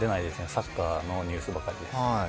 サッカーのニュースばかりですね。